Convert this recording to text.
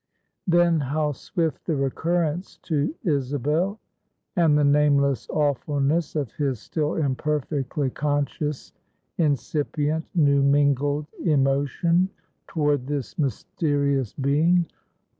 Then how swift the recurrence to Isabel, and the nameless awfulness of his still imperfectly conscious, incipient, new mingled emotion toward this mysterious being.